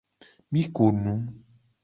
Mi ko nu.